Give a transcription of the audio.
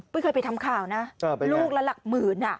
เคยไปทำข่าวนะลูกละหลักหมื่น